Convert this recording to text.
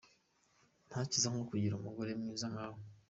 Ntakiza nko kugira umugore mwiza nkawe.